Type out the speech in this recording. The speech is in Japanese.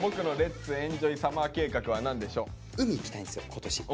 今年。